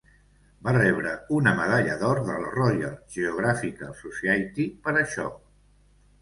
Va rebre una medalla d'or de la Royal Geographical Society per això.